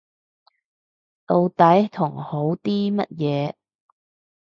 到底係同好啲乜嘢